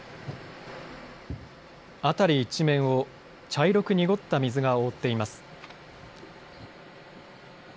辺り一面を茶色く濁った水が覆っています。